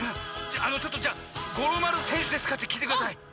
ちょっとじゃあ「五郎丸せんしゅですか？」ってきいてください。